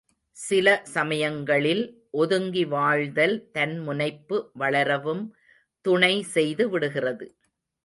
சில சமயங்களில் ஒதுங்கி வாழ்தல் தன் முனைப்பு வளரவும் துணை செய்து விடுகிறது.